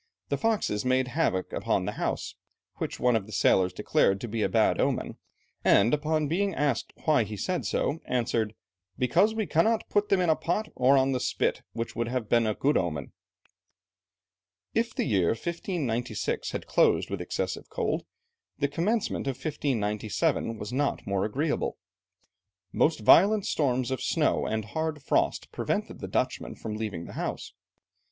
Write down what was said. The foxes made havoc upon the house, which one of the sailors declared to be a bad omen, and upon being asked why he said so, answered, "Because we cannot put them in a pot, or on the spit, which would have been a good omen." If the year 1596, had closed with excessive cold, the commencement of 1597 was not more agreeable. Most violent storms of snow, and hard frost prevented the Dutchmen from leaving the house.